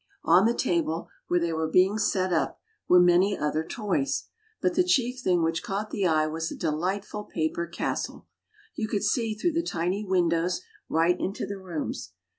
On the table where they were being set up, were many other toys ; but the chief thing which caught the eye was a delightful paper castle. You could see through the tiny windows, right into the rooms.